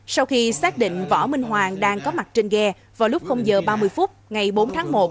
sau khi xác định võ minh hoàng đang có mặt trên ghe vào lúc h ba mươi phút ngày bốn tháng một